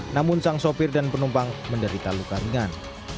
namun sang sopir dan penumpang menderita luka ringan